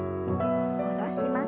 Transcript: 戻します。